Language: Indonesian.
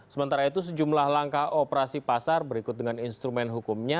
sementara itu sejumlah langkah operasi pasar berikut dengan instrumen hukumnya